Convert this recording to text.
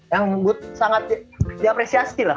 yang sangat diapresiasi lah